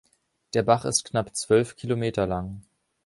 Der Bach ist knapp zwölf Kilometer lang.